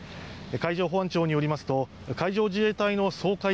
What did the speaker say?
海上保安庁によりますと海上自衛隊の掃海艇